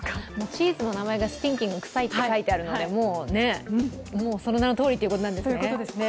チーズの名前がスティンキング、臭いと書いてあるのでもう、その名のとおりということなんですね。